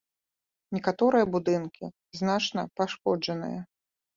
Некаторыя будынкі значна пашкоджаныя.